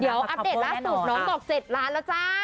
เดี๋ยวอัปเดตล่าสุดน้องบอก๗ล้านแล้วจ้า